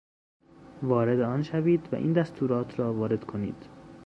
وارد آن شوید و این دستورات را وارد کنید.